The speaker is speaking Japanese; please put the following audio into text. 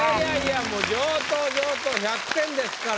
もう上等上等１００点ですから。